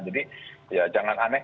jadi ya jangan aneh